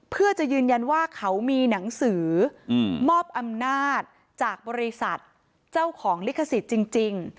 เพื่อจะยืนยันว่าเขามีหนังสือมอบอำนาจจากบริษัทเจ้าของลิขสิทธิ์จริง